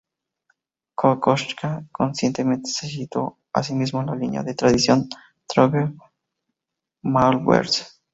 Kokoschka conscientemente se situó a sí mismo en la línea de tradición Troger-Maulbertsch.